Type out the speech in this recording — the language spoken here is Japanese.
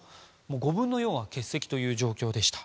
５分の４は欠席という状況でした。